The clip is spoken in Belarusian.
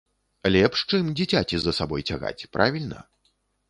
Лепш, чым дзіцяці за сабой цягаць, правільна?